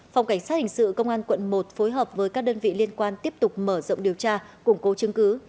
phòng cảnh sát hình sự công an quận một phối hợp với các đơn vị liên quan tiếp tục mở rộng điều tra củng cố chứng cứ